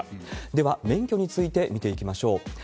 では、免許について見ていきましょう。